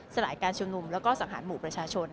สลายการชนุมและสังหารหมู่ประชาชน